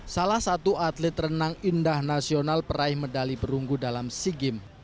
salah satu atlet renang indah nasional peraih medali berunggu dalam sigim